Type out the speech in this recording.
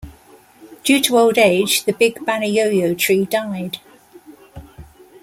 Due to old age, the big "Banayoyo" tree died.